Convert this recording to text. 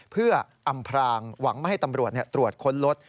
เพื่ออำพรางหวังไม่ให้ตำรวจตรวจค้นรถ